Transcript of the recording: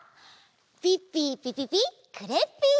ピッピピピピクレッピー！